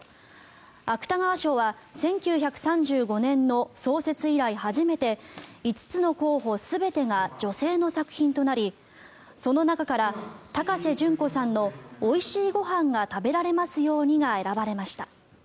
芥川賞は１９３５年の創設以来初めて５つの候補全てが女性の作品となりその中から高瀬隼子さんの「おいしいごはんが食べられますように」が選ばれました。